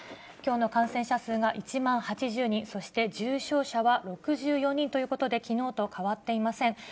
きょうの感染者数が１万８０人、そして重症者は６４人ということで、きのうと変わっていません。